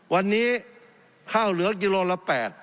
วันนี้ข้าวเหลือกิโลละ๘